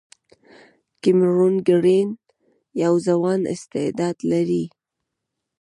کیمرون ګرین یو ځوان استعداد لري.